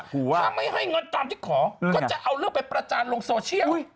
ถ้าไม่ให้เงินตามที่ขอก็จะเอาเรื่องไปประจานลงโซเชียล